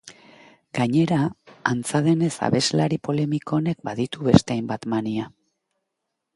Gainera, antza denez abeslari polemiko honek baditu beste hainbat mania.